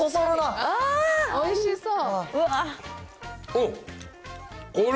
おいしそう。